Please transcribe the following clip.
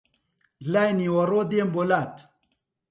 لای نیوەڕۆ دێم بۆ لات